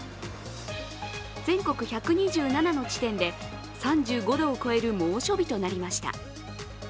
全国１２７の地点で３５度を超える猛暑日となりました。